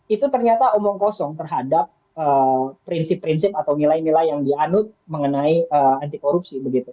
itu ternyata omong kosong terhadap prinsip prinsip atau nilai nilai yang dianut mengenai anti korupsi